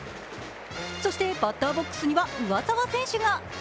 そしてバッターボックスには上沢選手が。